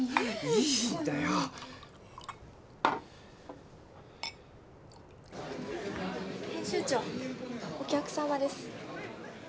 いいんだよ。編集長お客さまです。